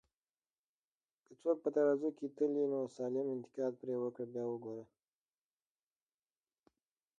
که څوک په ترازو کی تلې، نو سالم انتقاد پر وکړه بیا وګوره